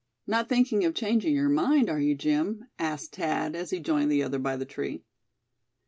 "Not thinking of changing your mind, are you Jim?" asked Thad, as he joined the other by the tree.